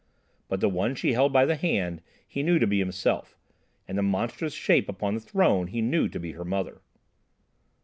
But the one she held by the hand he knew to be himself, and the monstrous shape upon the throne he knew to be her mother.